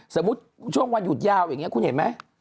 สมมุติช่วงวันหยุดยาวอย่างนี้คุณเห็นไหม